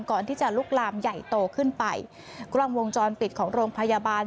ก่อนที่จะลุกลามใหญ่โตขึ้นไปกล้องวงจรปิดของโรงพยาบาล